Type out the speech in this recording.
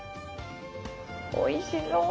おいしそう。